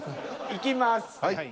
いきます。